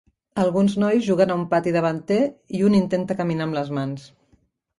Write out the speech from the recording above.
Alguns nois juguen a un pati davanter i un intenta caminar amb les mans.